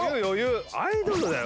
アイドルだよ？